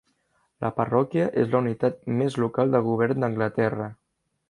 La parròquia és la unitat més local de govern d'Anglaterra.